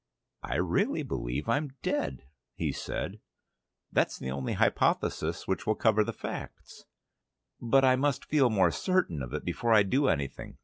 "I really believe I'm dead," said he. "That's the only hypothesis which will cover the facts." "But I must feel more certain of it before I do anything.